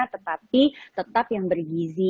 tetapi tetap yang bergizi